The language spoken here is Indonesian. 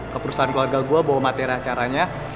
keluarga gue bawa materi acaranya